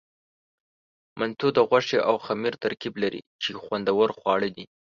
منتو د غوښې او خمیر ترکیب لري، چې خوندور خواړه دي.